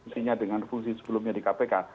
fungsinya dengan fungsi sebelumnya di kpk